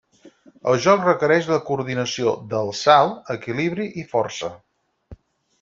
El joc requereix la coordinació del salt, equilibri i força.